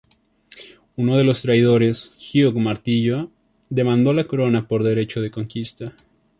Uno de los traidores, Hugh Martillo, demandó la Corona por derecho de conquista.